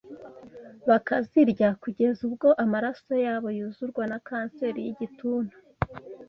bakazirya kugeza ubwo amaraso yabo yuzurwa na kanseri n’igituntu